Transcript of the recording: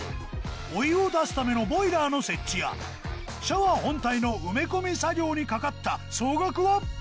お湯を出すためのボイラーの設置やシャワー本体の埋め込み作業にかかった総額は？